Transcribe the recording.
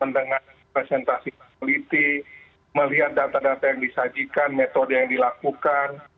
dengan presentasi politik melihat data data yang disajikan metode yang dilakukan